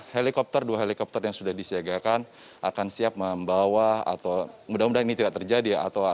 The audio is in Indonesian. helikopter dua helikopter yang sudah disiagakan akan siap membawa atau mudah mudahan ini tidak terjadi